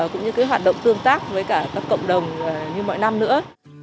cũng như cái hoạt động tương tác với cả các cộng đồng như mọi năm nữa